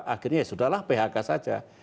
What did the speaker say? akhirnya ya sudah lah phk saja